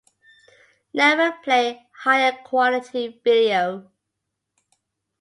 Never play higher-quality video.